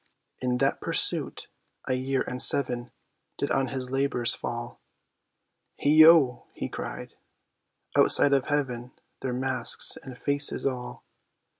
In that pursuit, a year and seven, did on his labours fall; "Heigho!" cried he, "outside of Heaven, they're masks, and faces all!